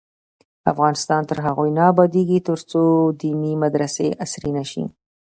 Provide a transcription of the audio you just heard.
افغانستان تر هغو نه ابادیږي، ترڅو دیني مدرسې عصري نشي.